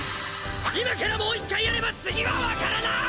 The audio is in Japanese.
今からもう１回やれば次はわからない！